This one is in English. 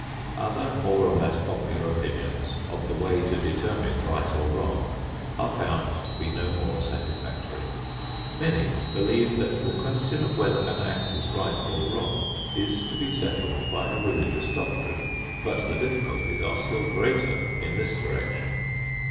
Other more or less popular opinions of the way to determine right or wrong are found to be no more satisfactory. Many believe that the question of whether an act is right or wrong is to be settled by a religious doctrine; but the difficulties are still greater in this direction.